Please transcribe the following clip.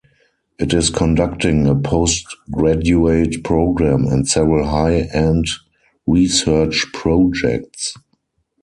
It is conducting a post-graduate program and several high-end research projects.